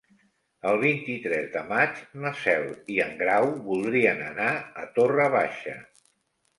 El vint-i-tres de maig na Cel i en Grau voldrien anar a Torre Baixa.